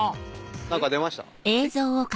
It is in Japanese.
・何か出ました？・え？